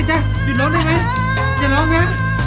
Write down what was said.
จะไม่ได้ร้องนะ